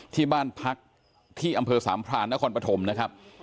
ที่บ้านพักที่อำเภอสามพรานนครปฐมนะครับ